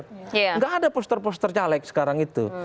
tidak ada poster poster caleg sekarang itu